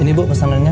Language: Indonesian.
ini bu pesanannya